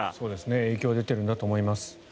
影響が出ているんだと思います。